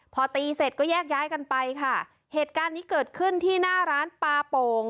พอตีเสร็จก็แยกย้ายกันไปค่ะเหตุการณ์นี้เกิดขึ้นที่หน้าร้านปลาโป่ง